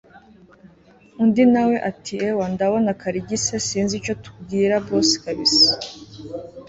undi nawe atiewa ndabona karigise, sinzi icyo tubwira boss kabsa